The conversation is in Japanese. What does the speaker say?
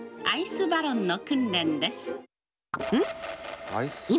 アイスバロン？